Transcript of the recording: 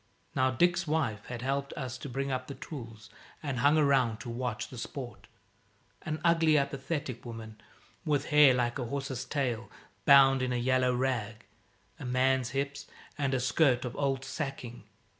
Now Dick's wife had helped us to bring up the tools, and hung around to watch the sport an ugly, apathetic woman, with hair like a horse's tail bound in a yellow rag, a man's hips, and a skirt of old sacking.